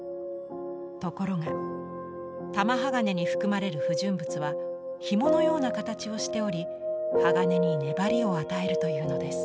ところが玉鋼に含まれる不純物はひものような形をしており鋼に粘りを与えるというのです。